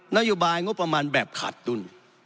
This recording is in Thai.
นโยบายงบประมาณแบบขาดดุล